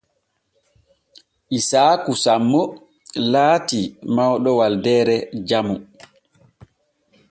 Isaaku sammo laati mawɗo waldeere jamu.